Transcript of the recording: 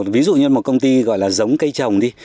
ví dụ như một công ty gọi là giống cây trồng đi